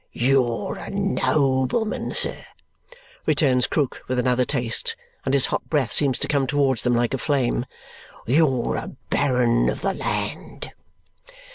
"You're a nobleman, sir," returns Krook with another taste, and his hot breath seems to come towards them like a flame. "You're a baron of the land."